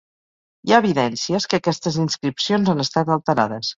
Hi ha evidències que aquestes inscripcions han estat alterades.